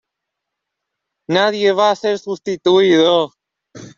Nadie va a ser sustituido.